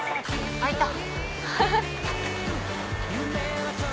開いた！